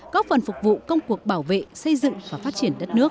góp phần phục vụ công cuộc bảo vệ xây dựng và phát triển đất nước